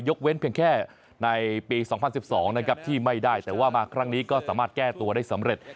เว้นเพียงแค่ในปี๒๐๑๒นะครับที่ไม่ได้แต่ว่ามาครั้งนี้ก็สามารถแก้ตัวได้สำเร็จ